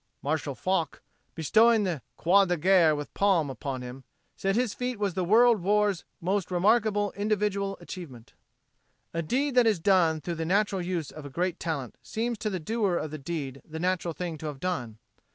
Marshal Foch, bestowing the Croix de Guerre with Palm upon him, said his feat was the World War's most remarkable individual achievement. A deed that is done through the natural use of a great talent seems to the doer of the deed the natural thing to have done.